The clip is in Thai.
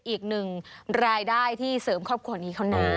อีกหนึ่งรายได้ที่เสริมครอบครัวนี้เขานะ